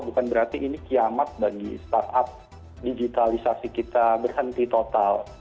bukan berarti ini kiamat bagi startup digitalisasi kita berhenti total